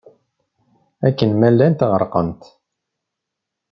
Akken ma llant ɣerqent.